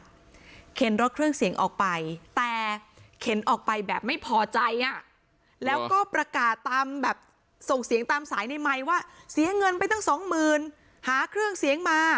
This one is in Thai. เฉพาะเครื่องเสียงออกไปแต่เข็นออกไปแบบไม่พอใจแล้วอ๋อประกาศตามแบบตรงเสียงตามสายในใหม่ว่าเสียเงินไปตั้งสองหมื่น